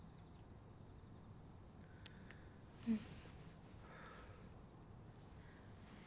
うん。